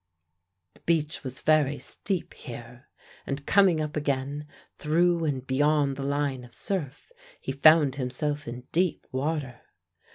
The beach was very steep here, and coming up again through and beyond the line of surf, he found himself in deep water.